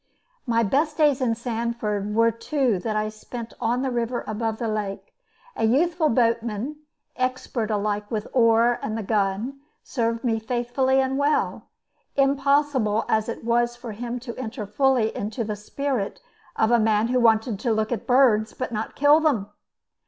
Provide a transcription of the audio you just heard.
My best days in Sanford were two that I spent on the river above the lake. A youthful boatman, expert alike with the oar and the gun, served me faithfully and well, impossible as it was for him to enter fully into the spirit of a man who wanted to look at birds, but not to kill them.